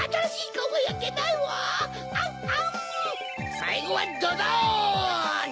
さいごはドドン！